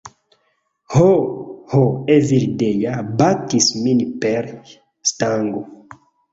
"Ho, ho... Evildea batis min per stango!"